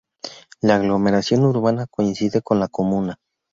La aglomeración urbana coincide con la comuna.